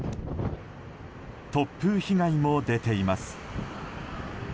突風被害も出ています。